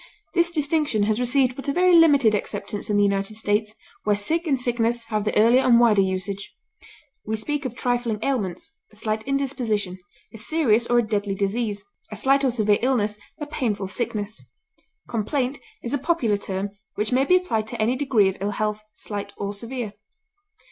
This distinction has received but a very limited acceptance in the United States, where sick and sickness have the earlier and wider usage. We speak of trifling ailments, a slight indisposition, a serious or a deadly disease; a slight or severe illness; a painful sickness. Complaint is a popular term, which may be applied to any degree of ill health, slight or severe.